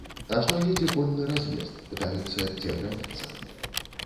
Ажно едзе конны раз'езд, пытаюцца, дзе граніца.